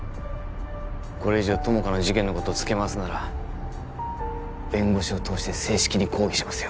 これ以上友果の事件のこと付け回すなら弁護士を通して正式に抗議しますよ